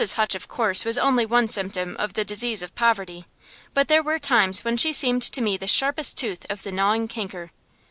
Hutch, of course, was only one symptom of the disease of poverty, but there were times when she seemed to me the sharpest tooth of the gnawing canker.